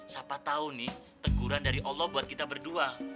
siapa tahu nih teguran dari allah buat kita berdua